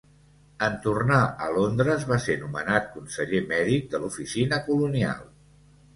En tornar a Londres, va ser nomenat conseller mèdic de l'oficina colonial.